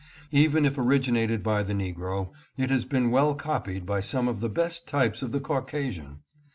Even if originated by the negro, it has been well copied by some of the best types of the Caucasian.